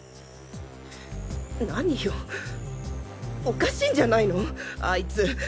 なによおかしいんじゃないのアイツ。